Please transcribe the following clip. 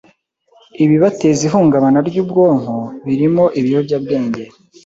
ibibateza ihungabana ry’ubwonko, birimo ibiyobyabwenge.